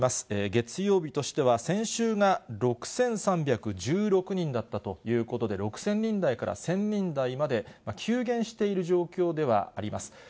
月曜日としては先週が６３１６人だったということで、６０００人台から１０００人台まで、急減している状況ではあります。